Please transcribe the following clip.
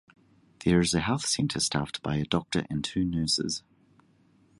There is a health center staffed by a doctor and two nurses.